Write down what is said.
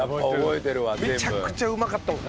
めちゃくちゃうまかったもんね